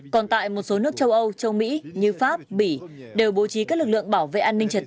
còn tại một số nước châu âu châu mỹ như pháp bỉ đều bố trí các lực lượng bảo vệ an ninh trật tự